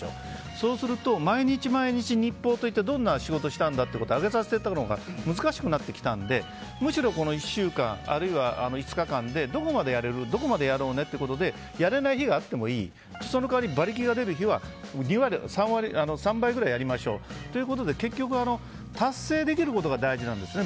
そうすると、毎日毎日日報といってどんな仕事をしたんだということを上げさせるのが難しくなってきたのでむしろこの１週間あるいは５日間でどこまでやれるどこまでやろうねとなってやれない日があってもいいその代わり馬力が出る日は３倍ぐらいやりましょうということで結局、達成できることが大事なんですね。